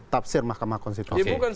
tafsir mahkamah konstitusi